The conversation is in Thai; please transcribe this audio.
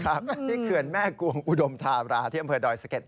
ครับนี่คือแม่กวงอุดมทาราที่อำเภอดอยสเก็ต